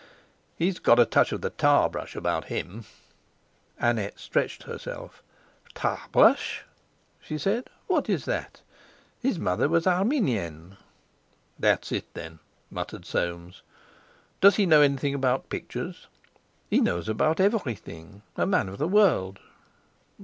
"He's got a touch of the tar brush about him." Annette stretched herself. "Tar brush?" she said. "What is that? His mother was Armenienne." "That's it, then," muttered Soames. "Does he know anything about pictures?" "He knows about everything—a man of the world."